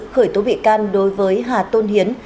khởi tố bị can đối với hà tôn hiến